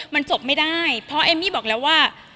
มันจบไม่ได้เพราะเอมมี่บอกแล้วว่า